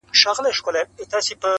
هر ګړی بدلوي غېږ د لونډه ګانو -